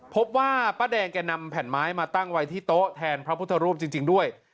พบว่าป้าแดงแกนำแผ่นไม้มาตั้งไว้ที่โต๊ะแทนพระพุทธรูปจริงด้วย